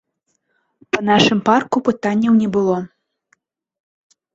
Па нашым парку пытанняў не было.